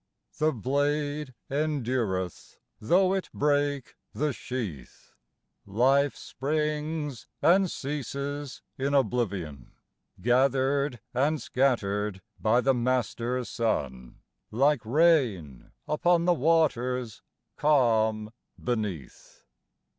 The blade endureth, though it break the sheath ; Life springs and ceases in oblivion, Gathered and scattered by the master sun Like rain upon the waters calm beneath.